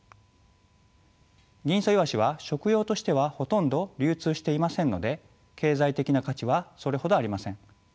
ギンイソイワシは食用としてはほとんど流通していませんので経済的な価値はそれほどありません。